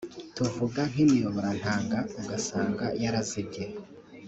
tuvuga nk’imiyoborantanga ugasanga yarazibye